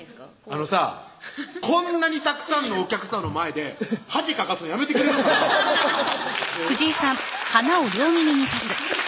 あのさぁこんなにたくさんのお客さんの前で恥かかすのやめてくれるかなえっ？